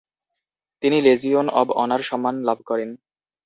তিনি legion of honour সম্মান লাভ করেন।